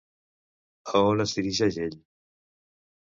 A on es dirigeix ell?